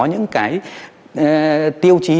những cái tiêu chí